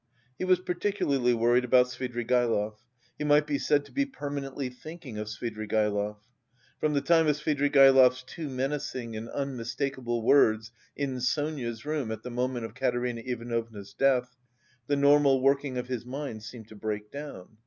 He was particularly worried about Svidrigaïlov, he might be said to be permanently thinking of Svidrigaïlov. From the time of Svidrigaïlov's too menacing and unmistakable words in Sonia's room at the moment of Katerina Ivanovna's death, the normal working of his mind seemed to break down.